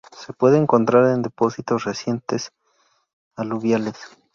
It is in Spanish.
Se puede encontrar en depósitos recientes aluviales.